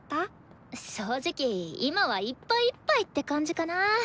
正直今はいっぱいいっぱいって感じかな。